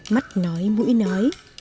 mắt nói mũi nói